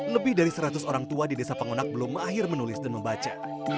lebih dari seratus orang tua di desa pengonak belum akhir menulis dan membaca